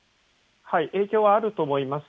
影響はあると思います。